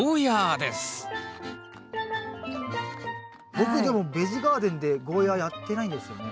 僕でも「ベジ・ガーデン」でゴーヤーやってないんですよね。